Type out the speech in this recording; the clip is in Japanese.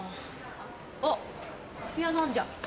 あっピアノあんじゃん。